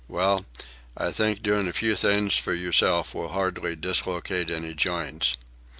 Well, I think doing a few things for yourself will hardly dislocate any joints.